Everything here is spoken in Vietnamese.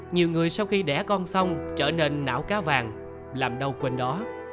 nhiều người sau khi đẻ con xong trở nên não cá vàng làm đâu quên đó